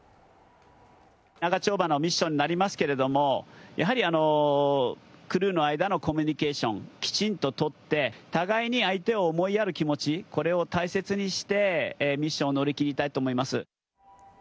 長丁場のミッションになりますけれども、やはりクルーの間のコミュニケーション、きちんと取って、互いに相手を思いやる気持ち、これを大切にして、ミッションを乗り切りたいと思います。